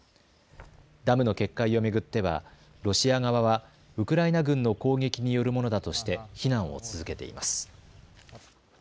ダムの決壊を巡ってはロシア側はウクライナ軍の攻撃によるものだとして非難を続けています。